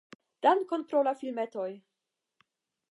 Dankon pro la filmetoj!"